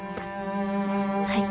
はい。